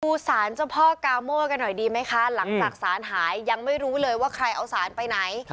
สารเจ้าพ่อกาโม่กันหน่อยดีไหมคะหลังจากสารหายยังไม่รู้เลยว่าใครเอาสารไปไหน